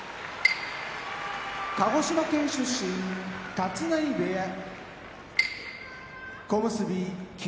鹿児島県出身立浪部屋小結・霧